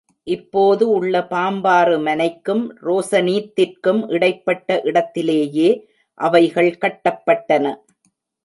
இப்போது உள்ள பாம்பாறு மனை க்கும், ரோசனீத் திற்கும் இடைப்பட்ட இடத்திலேயே அவைகள் கட்டப்பட்டன.